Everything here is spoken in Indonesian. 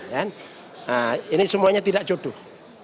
nah ini semuanya tidak jodoh